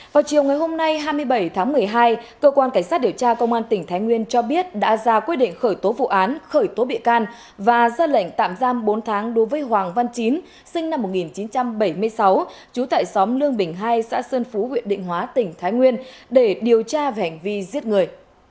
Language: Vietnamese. vào chiều ngày hôm nay hai mươi bảy tháng một mươi hai cơ quan cảnh sát điều tra công an tỉnh thái nguyên cho biết đã ra quyết định khởi tố vụ án khởi tố bị can và ra lệnh tạm giam bốn tháng đối với hoàng văn chín sinh năm một nghìn chín trăm bảy mươi sáu trú tại xóm lương bình hai xã sơn phú huyện định hóa tỉnh thái nguyên để điều tra về hành vi giết người